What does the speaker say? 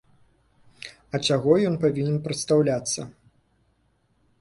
А чаго ён павінен прадстаўляцца?